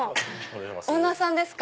オーナーさんですか？